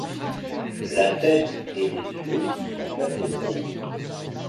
La tête et les yeux sont assez gros.